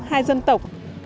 hai dân tộc